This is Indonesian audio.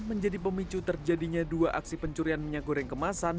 menjadi pemicu terjadinya dua aksi pencurian minyak goreng kemasan